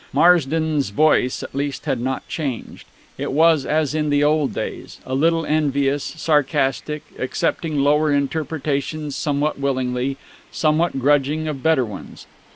Marsden's voice at least had not changed; it was as in the old days a little envious, sarcastic, accepting lower interpretations somewhat willingly, somewhat grudging of better ones.